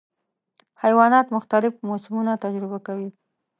حیوانات مختلف موسمونه تجربه کوي.